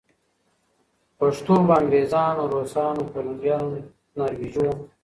پښتو به انګریزانو، روسانو پولېنډو ناروېژو